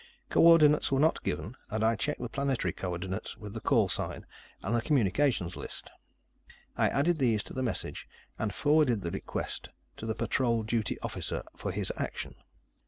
Co ordinates were not given and I checked the planetary co ordinates with the call sign and the Communications List. I added these to the message and forwarded the request to the Patrol Duty Officer for his action.